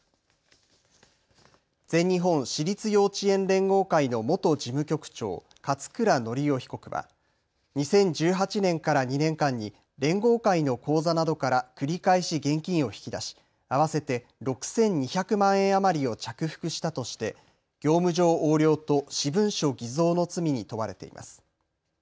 全日本私立幼稚園連合会の元事務局長、勝倉教雄被告は２０１８年から２年間に連合会の口座などから繰り返し現金を引き出し、合わせて６２００万円余りを着服したとして業務上横領と私文書偽造の罪に問われています。